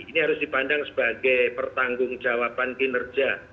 ini harus dipandang sebagai pertanggung jawaban kinerja